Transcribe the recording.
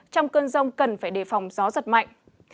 trong cơn rông cần phải đề phòng gió giật mạnh